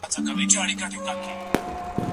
ژبه ځوانه، پخېږي، زړېږي.